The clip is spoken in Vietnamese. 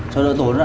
cháu đỡ tốn ạ